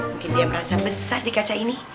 mungkin dia merasa besar di kaca ini